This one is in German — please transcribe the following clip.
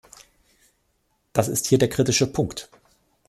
Das ist hier der kritische Punkt.